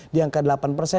di angka delapan persen